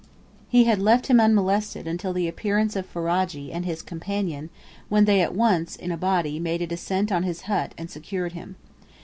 He had left him unmolested until the appearance of Ferajji and his companion, when they at once, in a body, made a descent on his hut and secured him.